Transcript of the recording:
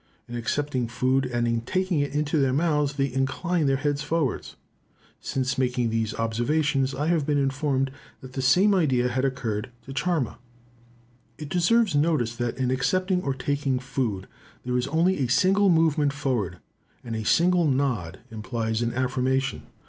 In accepting food and taking it into their mouths, they incline their heads forwards. Since making these observations I have been informed that the same idea had occurred to Charma. It deserves notice that in accepting or taking food, there is only a single movement forward, and a single nod implies an affirmation.